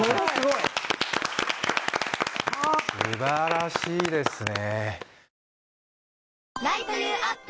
素晴らしいですね